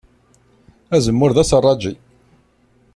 Azemmur d aseṛṛaǧi.